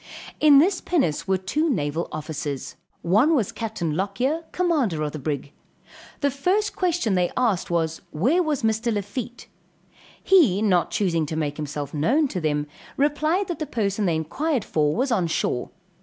In this pinnace were two naval officers. One was Capt. Lockyer, commander of the brig. The first question they asked was, where was Mr. Lafitte? he not choosing to make himself known to them, replied that the person they inquired for was on shore.